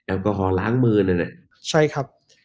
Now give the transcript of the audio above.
แอลกอฮอล์ล้างมือใช่ครับ